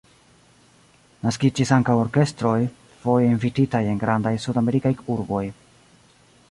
Naskiĝis ankaŭ orkestroj, foje invititaj en grandaj Sudamerikaj urboj.